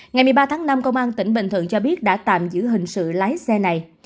ngày một mươi ba tháng năm công an tỉnh bình thuận cho biết đã tạm giữ hình sự lái xe này